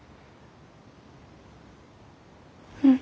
うん。